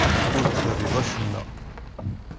Ur d-terriḍ acemma.